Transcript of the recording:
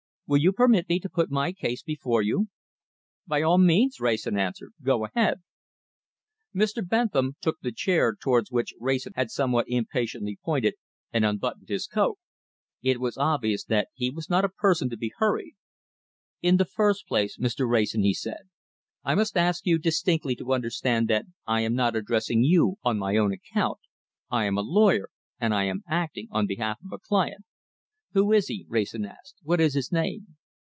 Will you permit me to put my case before you?" "By all means," Wrayson answered. "Go ahead." Mr. Bentham took the chair towards which Wrayson had somewhat impatiently pointed, and unbuttoned his coat. It was obvious that he was not a person to be hurried. "In the first place, Mr. Wrayson," he said, "I must ask you distinctly to understand that I am not addressing you on my own account. I am a lawyer, and I am acting on behalf of a client." "Who is he?" Wrayson asked. "What is his name?"